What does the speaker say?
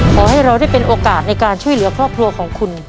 ขอให้เราได้เป็นโอกาสในการช่วยเหลือครอบครัวของคุณ